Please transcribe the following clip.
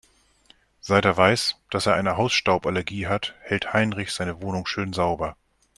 Seit er weiß, dass er eine Hausstauballergie hat, hält Heinrich seine Wohnung schön sauber.